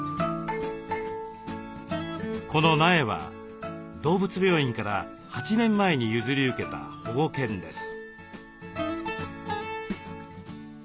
この苗は動物病院から８年前に譲り受けた保護犬です。